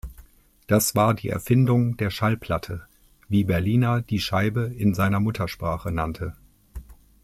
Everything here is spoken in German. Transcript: Das war die Erfindung der Schallplatte, wie Berliner die Scheibe in seiner Muttersprache nannte.